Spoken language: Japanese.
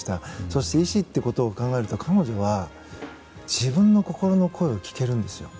そして医師ということを考えると、彼女は自分の心の声を聞けるんです。